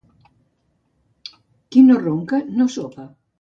Qui no ronca, no sopa.